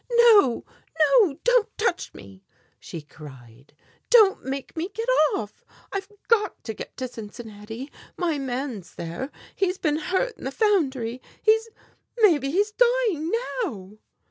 "No, no, don't touch me!" she cried. "Don't make me get off! I've got to get to Cincinnati. My man's there. He's been hurt in the foundry. He's maybe he's dying now."